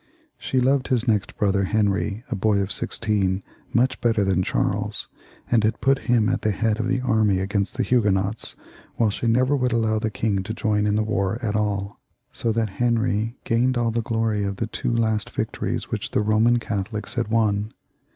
She loved his next brother Henry^ a boy of sixteen, much better than Charles, and had put hiTn at the head of the army against the Soman Catholics, while she never would allow the king to join in the war at all, so that Henry gained all the glory of the two last victories which the Soman Catholics had won.